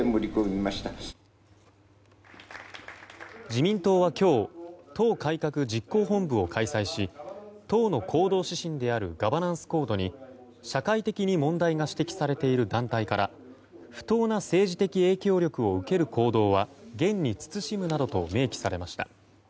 自民党は今日党改革実行本部を開催し党の行動指針であるガバナンスコードに社会的に問題が指摘されている団体から不当な政治的影響力を受ける行動は厳に慎むなどと明記されました。